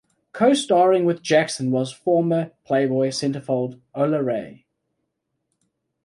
Co-starring with Jackson was former "Playboy" centerfold Ola Ray.